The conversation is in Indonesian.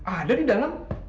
ada di dalam